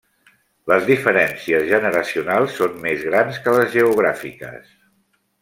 Les diferències generacionals són més grans que les geogràfiques.